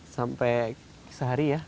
sampai sehari ya